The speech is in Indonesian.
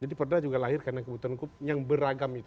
jadi perda juga lahir karena kebutuhan hukum yang beragam itu